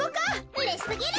うれしすぎる。